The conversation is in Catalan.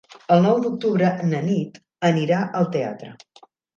El nou d'octubre na Nit anirà al teatre.